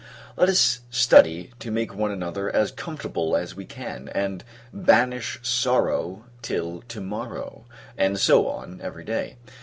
Let us study to make one another as comfortable as we can; and "banish sorrow, till to morrow:" and so on, every day.